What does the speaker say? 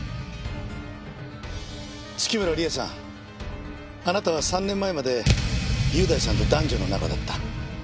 月村理絵さんあなたは３年前まで優大さんと男女の仲だった。